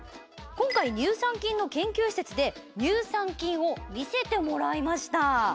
今回乳酸菌の研究施設で乳酸菌を見せてもらいました。